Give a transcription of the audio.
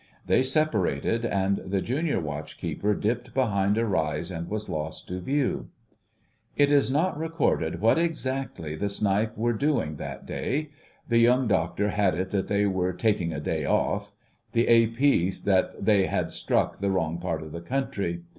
They separated, and the Junior Watchkeeper dipped behind a rise and was lost to view. It is not recorded what exactly the snipe were doing that day. The Young Doctor had it that they were "taking a day off," the A.P. that they had struck the wrong part of the country.